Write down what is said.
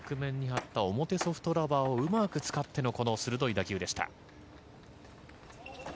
表ソフトラバーをうまく使っての鋭い打球でした。